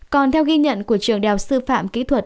còn theo ghi nhận của trường đào sư phạm kỹ thuật